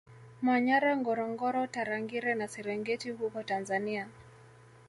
Manyara Ngorongoro Tarangire na Serengeti huko Tanzania